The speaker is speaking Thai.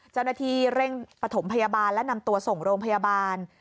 เจ้าหน้าที่เร่งปฐมพยาบาลและนำตัวส่งโรงพยาบาล